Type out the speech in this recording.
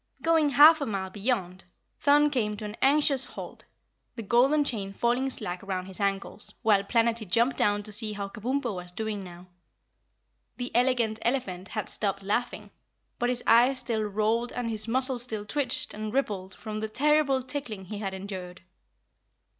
Going half a mile beyond, Thun came to an anxious halt, the golden chain falling slack around his ankles, while Planetty jumped down to see how Kabumpo was doing now. The Elegant Elephant had stopped laughing, but his eyes still rolled and his muscles still twitched and rippled from the terrible tickling he had endured.